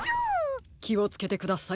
きをつけてください。